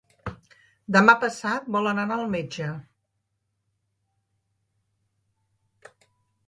Demà passat volen anar al metge.